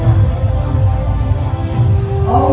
สโลแมคริปราบาล